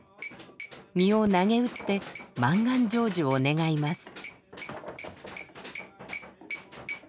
身をなげうって満願成就を願います。